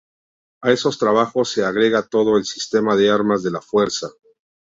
A esos trabajos se agrega todo el sistema de armas de la fuerza.